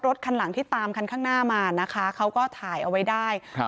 คันหลังที่ตามคันข้างหน้ามานะคะเขาก็ถ่ายเอาไว้ได้ครับ